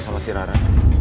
sama si rara